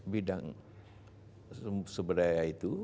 bidang seberdaya itu